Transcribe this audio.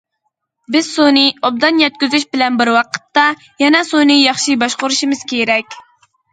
بىز سۇنى ئوبدان يەتكۈزۈش بىلەن بىر ۋاقىتتا، يەنە سۇنى ياخشى باشقۇرۇشىمىز كېرەك.